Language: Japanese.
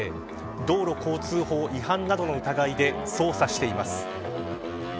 道路交通法違反などの疑いで捜査しています。